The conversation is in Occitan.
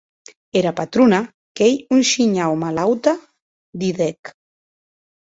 Era patrona qu’ei un shinhau malauta, didec.